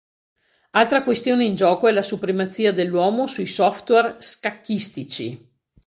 Altra questione in gioco è la supremazia dell'uomo sui software scacchistici.